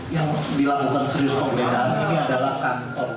yang dilakukan serius pembedahan ini adalah kantor